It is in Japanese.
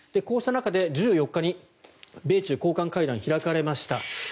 こうした中で１４日に米中高官会談が開かれました。